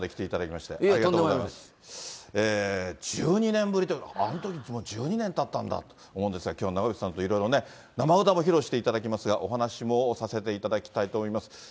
１２年ぶりということで、あんときから１２ねんもたったんだって思うんですが、きょうは長渕さんといろいろね、生歌も披露していただきますが、お話もさせていただきたいと思います。